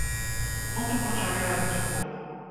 Потым пачалі рабіць уколы.